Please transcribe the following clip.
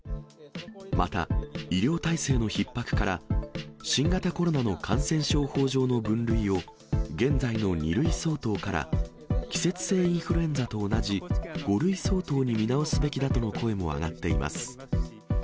また、医療体制のひっ迫から、新型コロナの感染症法上の分類を、現在の２類相当から、季節性インフルエンザと同じ５類相当に見直すべきだとの声も上がっています。